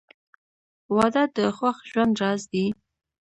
• واده د خوښ ژوند راز دی.